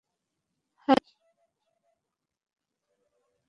High, ma'am!